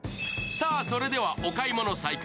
それではお買い物再開。